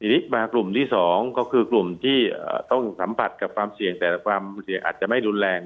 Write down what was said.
ทีนี้มากลุ่มที่๒ก็คือกลุ่มที่ต้องสัมผัสกับความเสี่ยงแต่ความเสี่ยงอาจจะไม่รุนแรง